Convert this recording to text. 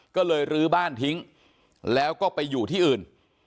ก็เลยลื้อบ้านทิ้งแล้วก็ไปอยู่ที่อื่น